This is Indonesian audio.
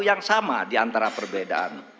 yang sama diantara perbedaan